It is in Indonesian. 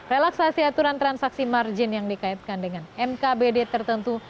relaksasi aturan transaksi margin yang dikaitkan dengan mkbd tertentu